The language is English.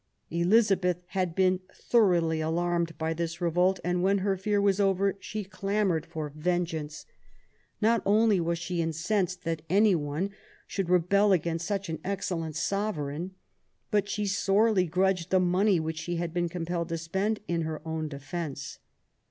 Elizabeth had been thoroughly alarmed by this revolt, and, when her fear was over, she clamoured for vengeance. Not only was she incensed that any one should rebel against such an excellent Sovereign, but she sorely grudged the money which she had been compelled to spend in her own defence.